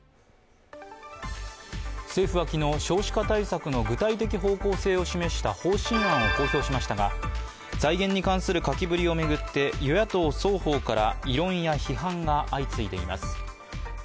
政府は昨日、少子化対策の具体的方向性を示した方針案を公表しましたが、財源に関する書きぶりを巡って与野党双方から異論や批判が相次いでいます。